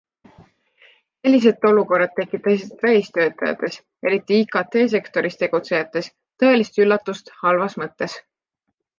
Sellised olukorrad tekitasid välistöötajates, eriti IKT sektoris tegutsejates, tõelist üllatust halvas mõttes.